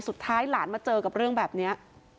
สุดท้ายหลานมาเจอกับเรื่องแบบนี้